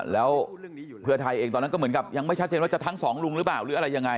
แล้วเพื่อไทยเองตอนนั้นก็เหมือนกับยังไม่ชัดเจนว่าจะทั้งสองลุงหรือเปล่าหรืออะไรยังไง